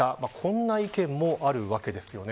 こんな意見もあるわけです。